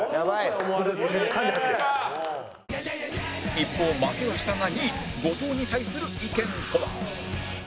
一方負けはしたが２位後藤に対する意見とは？